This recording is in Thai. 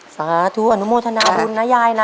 สาธุอนุโมทนาบุญนะยายนะ